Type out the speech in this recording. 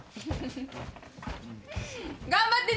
頑張ってね！